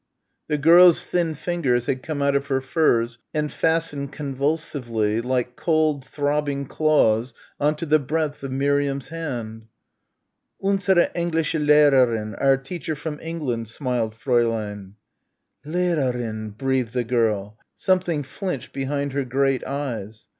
The girl's thin fingers had come out of her furs and fastened convulsively like cold, throbbing claws on to the breadth of Miriam's hand. "Unsere englische Lehrerin our teacher from England," smiled Fräulein. "Lehrerin!" breathed the girl. Something flinched behind her great eyes.